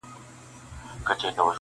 طبیب غوښي وې د چرګ ور فرمایلي -